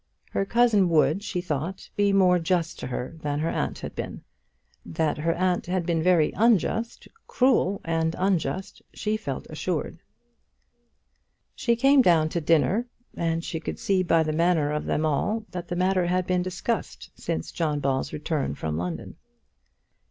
Her cousin would, she thought, be more just to her than her aunt had been. That her aunt had been very unjust, cruel and unjust, she felt assured. She came down to dinner, and she could see by the manner of them all that the matter had been discussed since John Ball's return from London.